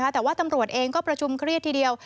แต่ว่าตำรวจเองก็ประชุมเครียดทีเดียว